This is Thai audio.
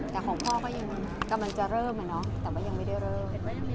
แต่ของพ่อก็ยังกำลังจะเริ่มอะเนาะแต่ว่ายังไม่ได้เริ่ม